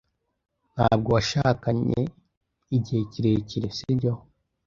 Ntabwo washakanye igihe kirekire, sibyo?